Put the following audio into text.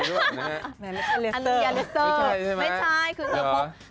ข้อข้างที่จะเดินสายบูรณ์เข้าวัด